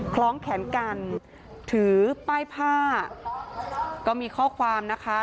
คล้องแขนกันถือป้ายผ้าก็มีข้อความนะคะ